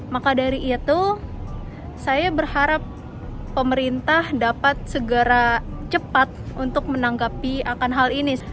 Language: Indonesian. maka dari itu saya berharap pemerintah dapat segera cepat untuk menanggapi akan hal ini